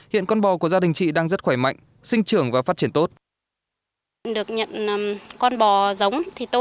hiện con bò của gia đình chị đang rất khỏe mạnh sinh trưởng và phát triển tốt